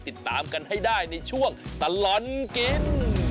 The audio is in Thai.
ติดตามกันให้ได้ในช่วงตลอดกิน